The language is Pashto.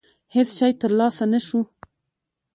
هېڅ شی ترلاسه نه شو.